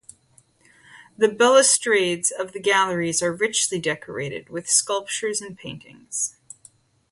The balustrades of the galleries are richly decorated with sculptures and paintings.